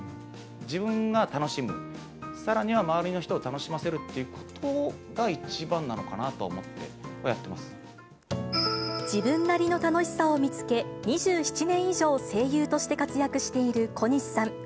自分が楽しむ、さらには周りの人を楽しませるっていうことが一番なのかなとは思自分なりの楽しさを見つけ、２７年以上、声優として活躍している小西さん。